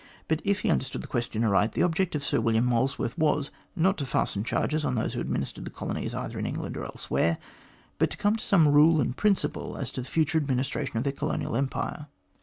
But if he understood the question aright, the object of Sir William Molesworth was, not to fasten charges on those who administered the Colonies either in England or elsewhere, but to come to some rule and principle as to the future administration of their Colonial Empire.